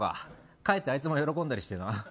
かえってあいつも喜んだりしてな。